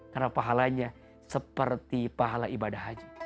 karena pahalanya seperti pahala ibadah haji